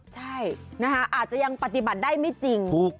ใช่นะคะอาจจะยังปฏิบัติได้ไม่จริง